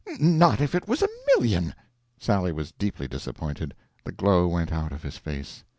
Not if it was a million!" Sally was deeply disappointed; the glow went out of his face.